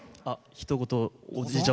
ひと言、おじいちゃん